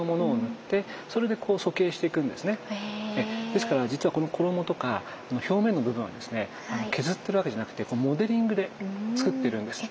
ですから実はこの衣とか表面の部分はですね削ってるわけじゃなくてモデリングでつくってるんです。